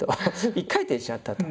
１回転しちゃったと。